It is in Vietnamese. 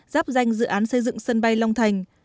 giáp danh dự án xây dựng sân bay long thành